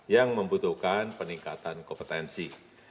yang membutuhkan peningkatan kompetensi